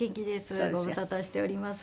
ご無沙汰しております。